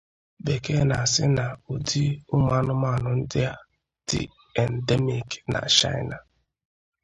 Bekee na-asị na ụdị ụmụanụmanụ ndị a dị endemic na Chaịna.